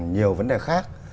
nhiều vấn đề khác